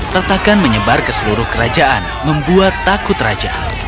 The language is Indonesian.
retakan menyebar ke seluruh kerajaan membuat takut raja